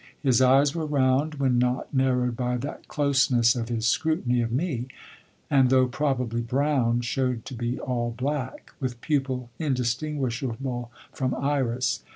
His eyes were round, when not narrowed by that closeness of his scrutiny of me, and though probably brown, showed to be all black, with pupil indistinguishable from iris.